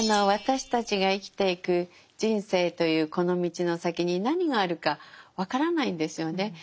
私たちが生きていく人生というこのみちのさきに何があるか分からないんですよね。